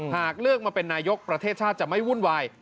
หากเลือกมาเป็นนายกประเทศชาติจะไม่วุ่นวาย